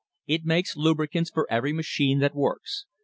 It makes lubricants for every machine that works.